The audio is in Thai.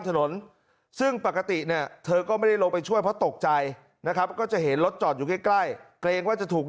ถนนซึ่งปกติเนี่ยเธอก็ไม่ได้ลงไปช่วยเพราะตกใจนะครับก็จะเห็นรถจอดอยู่ใกล้เกรงว่าจะถูก